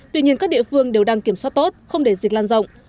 tuy nhiên các địa phương đều đang kiểm soát tốt không để dịch lan rộng